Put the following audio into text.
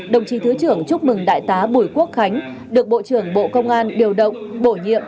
đồng chí thứ trưởng chúc mừng đại tá bùi quốc khánh được bộ trưởng bộ công an điều động bổ nhiệm